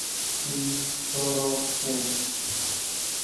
اي سو رو ڇي۔